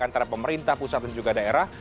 antara pemerintah pusat dan juga daerah